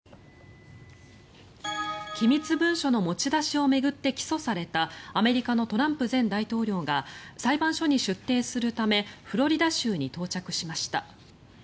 機密文書の持ち出しを巡って起訴されたアメリカのトランプ前大統領が裁判所に出廷するためフロリダ州に到着しました。